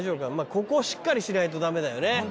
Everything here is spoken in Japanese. ここをしっかりしないとダメだよね。